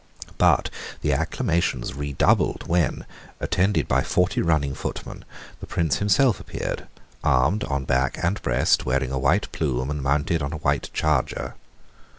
But the acclamations redoubled when, attended by forty running footmen, the Prince himself appeared, armed on back and breast, wearing a white plume and mounted on a white charger.